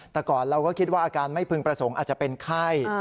แต่ก่อนเราก็คิดว่าอาการไม่พึงประสงค์อาจจะเป็นไข้